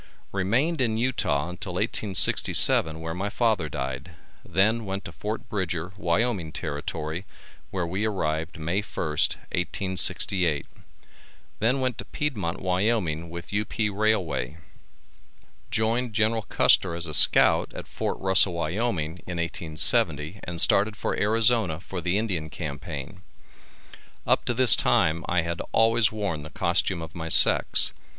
Remained in Utah until 1867, where my father died, then went to Fort Bridger, Wyoming Territory, where we arrived May 1, 1868, then went to Piedmont, Wyoming, with U.P. Railway. Joined General Custer as a scout at Fort Russell, Wyoming, in 1870, and started for Arizona for the Indian Campaign. Up to this time I had always worn the costume of my sex.